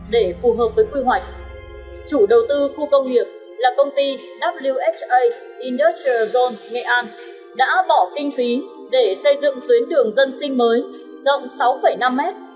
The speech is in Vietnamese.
để phù hợp với quy hoạch chủ đầu tư khu công nghiệp là công ty wha industrial zone nghệ an đã bỏ kinh phí để xây dựng tuyến đường dân sinh mới rộng sáu năm m